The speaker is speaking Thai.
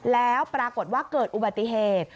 แล้วปรากฏว่าเกิดอุบัติเหตุ